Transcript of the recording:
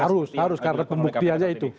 harus harus karena pembuktiannya itu